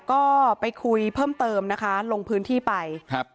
ก็ไปคุยเพิ่มเติมนะคะลงพื้นที่ไปครับ